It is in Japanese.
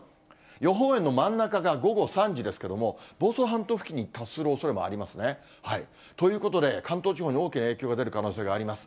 予報円の真ん中が午後３時ですけども、房総半島付近に達するおそれもありますね。ということで、関東地方に大きな影響が出る可能性があります。